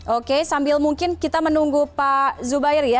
oke sambil mungkin kita menunggu pak zubairi ya